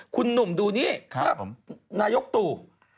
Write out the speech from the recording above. คุณหนุ่มดูนี่ภาพนายกตู่